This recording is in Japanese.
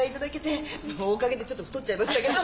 おかげでちょっと太っちゃいましたけど。